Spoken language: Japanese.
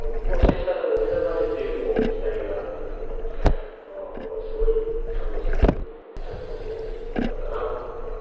もしかしたらメダルまでという期待もあったんだけどすごい感動する男女混合だったなと思って。